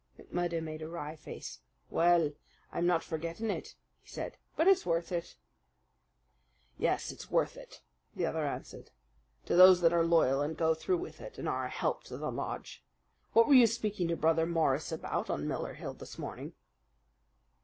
McMurdo made a wry face. "Well, I'm not forgetting it," he said; "but it's worth it." "Yes, it's worth it," the other answered, "to those that are loyal and go through with it and are a help to the lodge. What were you speaking to Brother Morris about on Miller Hill this morning?"